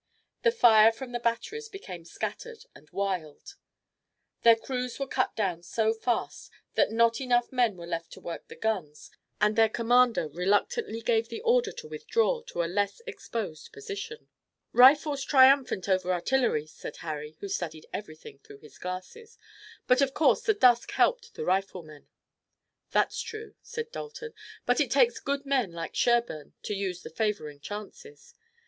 The fire from the batteries became scattered and wild. Their crews were cut down so fast that not enough men were left to work the guns, and their commander reluctantly gave the order to withdraw to a less exposed position. "Rifles triumphant over artillery," said Harry, who studied everything through his glasses; "but of course the dusk helped the riflemen." "That's true," said Dalton, "but it takes good men like Sherburne to use the favoring chances.